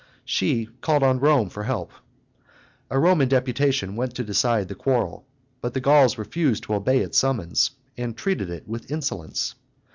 She called on Rome for help. A Roman deputation went to decide the quarrel; but the Gauls refused to obey its summons, and treated it with insolence.